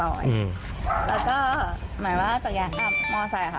แล้วก็หมายว่าจักรยานกับมอไซค์ค่ะ